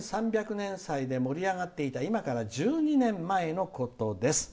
１３００年で盛り上がっていた今から１２年前のことです。